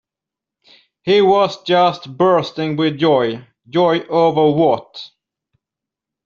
He was just bursting with joy, joy over what.